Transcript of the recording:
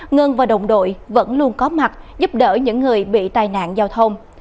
ngân và đồng đội vẫn luôn có mặt giúp đỡ những người bị tai nạn giao thông